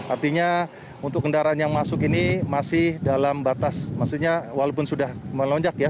artinya untuk kendaraan yang masuk ini masih dalam batas maksudnya walaupun sudah melonjak ya